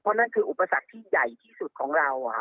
เพราะนั่นคืออุปสรรคที่ใหญ่ที่สุดของเรา